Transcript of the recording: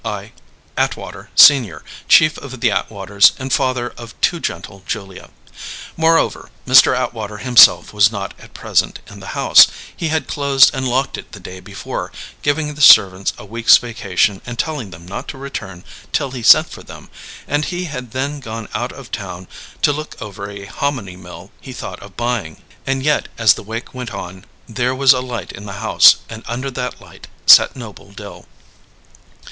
I. Atwater, Senior, chief of the Atwaters and father of too gentle Julia. Moreover, Mr. Atwater himself was not at present in the house; he had closed and locked it the day before, giving the servants a week's vacation and telling them not to return till he sent for them; and he had then gone out of town to look over a hominy mill he thought of buying. And yet, as the wake went on, there was a light in the house, and under that light sat Noble Dill.